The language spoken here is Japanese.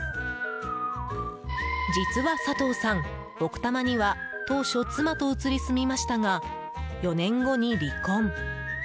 実は佐藤さん、奥多摩には当初、妻と移り住みましたが４年後に離婚。